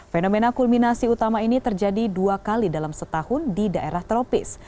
fenomena kulminasi utama ini terjadi dua kali dalam setahun di daerah tropis